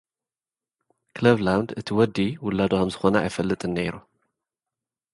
ክለቭላንድ፡ እቲ ወዲ ውላዱ ከምዝኾነ ኣይፈልጥን ነይሩ።